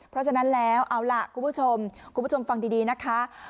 เพราะฉะนั้นแล้วเอาล่ะคุณผู้ชมคุณผู้ชมฟังดีนะคะ